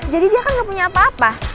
jadi dia kan gak punya apa apa